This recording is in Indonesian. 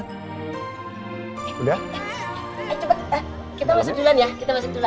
masuk duluan dulu